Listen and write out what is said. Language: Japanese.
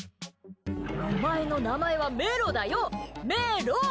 お前の名前はメロだよ、メロ！